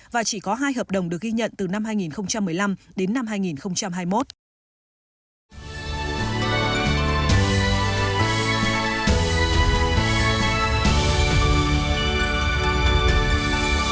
và chỉ có hai hợp đồng được ghi nhận từ năm hai nghìn một mươi năm đến năm hai nghìn hai mươi một